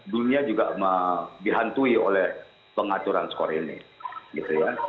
dunia juga dihantui oleh pengaturan skor ini gitu ya